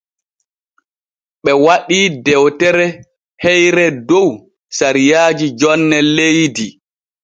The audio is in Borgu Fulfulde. Ɓe waɗii dewtere heyre dow sariyaaji jonne leydi.